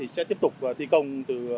sẽ tiếp tục thi công từ